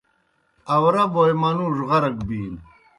آؤرہ بوئے منُوڙوْ غرق بِینوْ۔